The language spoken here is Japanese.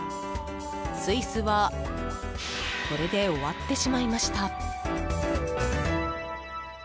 スイスはこれで終わってしまいました。